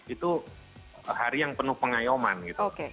itu hari yang penuh pengayoman gitu